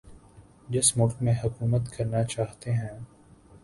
جس ملک میں حکومت کرنا چاہتے ہیں